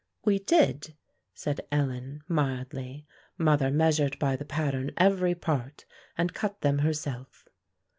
"We did," said Ellen, mildly; "mother measured by the pattern every part, and cut them herself."